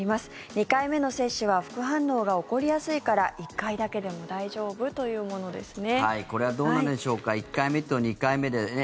２回目の接種は副反応が起こりやすいから１回だけでも大丈夫？というものですね。